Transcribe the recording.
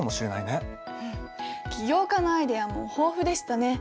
起業家のアイデアも豊富でしたね。